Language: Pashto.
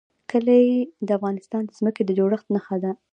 کلي د افغانستان د ځمکې د جوړښت نښه ده.